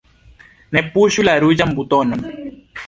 Ne puŝu la ruĝan butonon!